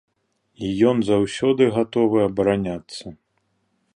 І ён заўсёды гатовы абараняцца.